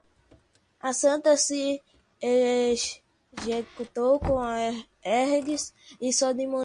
A Santa Sé executou os hereges e sodomitas